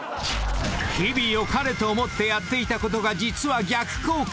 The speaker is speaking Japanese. ［日々よかれと思ってやっていたことが実は逆効果⁉］